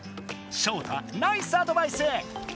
ショウタナイスアドバイス！